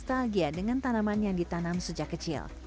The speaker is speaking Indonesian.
ditampilkan di bagian bagian dengan tanaman yang ditanam sejak kecil